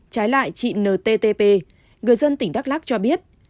trái lại chị nttp người dân tỉnh đắk lắc cho biết